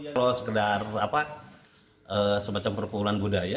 kalau sekedar semacam perpuluhan budaya